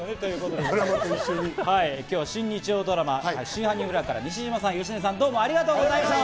今日は新日曜ドラマ『真犯人フラグ』から西島さん、芳根さん、どうもありがとうございました。